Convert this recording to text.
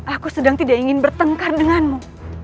aku sedang tidak ingin bertengkar denganmu